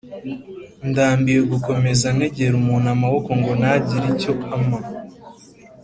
Ndambiwe gukomeza ntegera umuntu amaboko ngo nagire icyo ampa